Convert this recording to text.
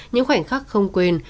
những khoảnh khắc không quên